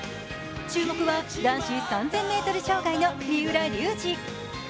注目は男子３０００ｍ障害の三浦龍司。